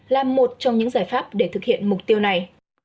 là một trong những giải pháp để thực hiện mục tiêu này